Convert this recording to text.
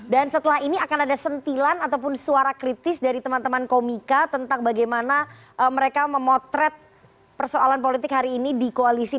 dan setelah ini akan ada sentilan ataupun suara kritis dari teman teman komika tentang bagaimana mereka memotret persoalan politik hari ini di koalisi